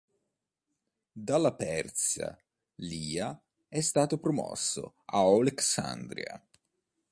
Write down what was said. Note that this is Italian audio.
Dalla Perša Liha è stato promosso l'Oleksandrija.